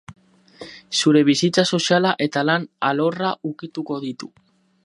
Zure bizitza soziala eta lan alorra ukituko ditu.